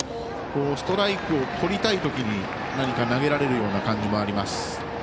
ストライクをとりたいときに投げられるような感じもあります。